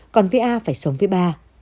còn va phải sống với ba